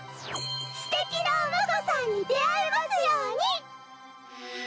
すてきなお婿さんに出会えますように！